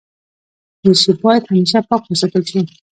دریشي باید همېشه پاک وساتل شي.